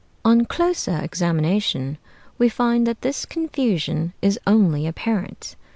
On closer examination we find that this confusion is only apparent.